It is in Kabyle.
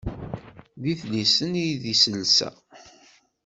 D idlisen i d iselsa.